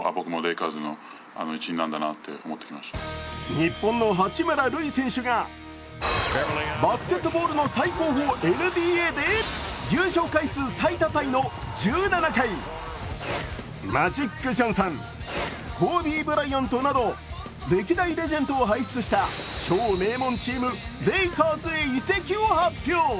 日本の八村塁選手がバスケットボールの最高峰・ＮＢＡで優勝回数最多タイの１７回、マジック・ジョンソン、コービー・ブライアントなど歴代レジェンドを輩出した超名門チーム、レイカーズへ移籍を発表。